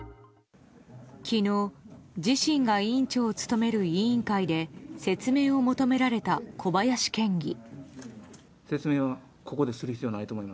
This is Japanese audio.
昨日自身が委員長を務める委員会で説明を求められた小林県議。